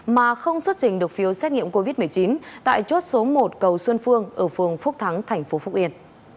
mà không xuất trình được phiếu xét nghiệm covid một mươi chín tại chốt số một cầu xuân phương ở phường phúc thắng tp phúc yên